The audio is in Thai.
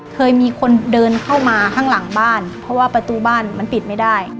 เคยมีคนเดินเข้ามาข้างหลังบ้านเพราะว่าประตูบ้านมันปิดไม่ได้